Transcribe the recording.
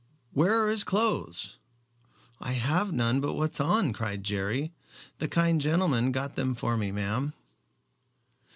"Where are his clothes?" "I have none but what's on," cried Jerry. "The kind gentleman got them for me, ma'am."